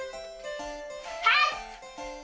はい！